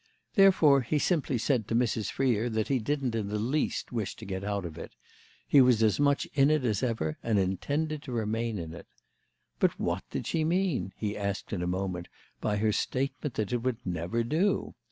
Therefore he simply said to Mrs. Freer that he didn't in the least wish to get out of it; he was as much in it as ever and intended to remain in it. But what did she mean, he asked in a moment, by her statement that it would never do?